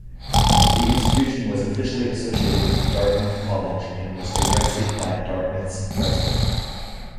The institution was officially associated with Dartmouth College and was directed by Dartmouth's president.